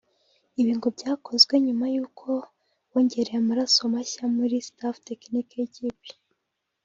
Ibi ngo byakozwe nyuma y’uko bongereye amaraso mashya muri Staff technique y’ikipe